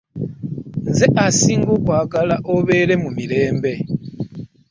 Nze asinga okwagala obeere mu mirembe.